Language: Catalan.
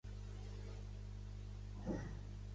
De vegades, aquests i els s formen una sola classe.